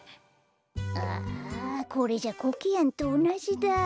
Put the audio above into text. ああこれじゃあコケヤンとおなじだ。